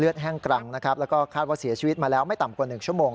แห้งกรังนะครับแล้วก็คาดว่าเสียชีวิตมาแล้วไม่ต่ำกว่า๑ชั่วโมง